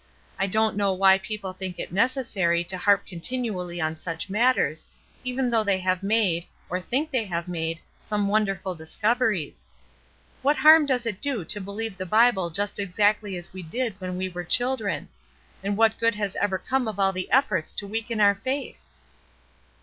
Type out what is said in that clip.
I don't know why people think it necessary to harp continu ally on such matters, even though they have made, or think they have made, some wonderful discoveries. What harm does it do to believe the Bible just exactly as we did when we were children; and what good has ever come of all the efforts to weaken our faith?"